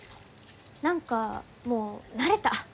何かもう慣れた。